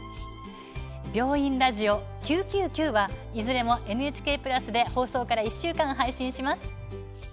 「病院ラジオ」と「９９Ｑ」はいずれもＮＨＫプラスでは放送から１週間配信します。